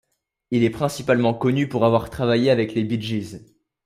Il est principalement connu pour avoir travaillé avec les Bee Gees.